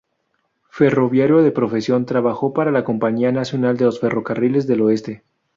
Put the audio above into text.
Ferroviario de profesión, trabajó para la Compañía Nacional de los Ferrocarriles del Oeste.